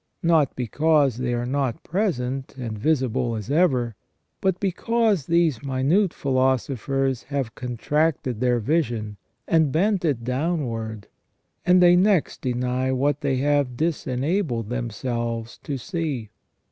Not because they are not present, and visible as ever, but because these minute philosophers have contracted THE RESTORATION OF MAN. 31 1 their vision, and bent it downwards ; and they next deny what they have disenabled themselves to see.